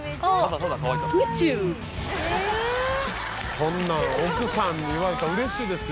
こんなん奥さんに言われたら嬉しいですよ。